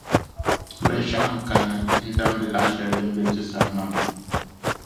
Binshɛɣu n-kani damdi laɣ' shɛli di be ti sani maa.